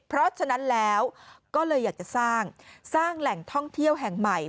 เพราะฉะนั้นแล้วก็เลยอยากจะสร้างสร้างแหล่งท่องเที่ยวแห่งใหม่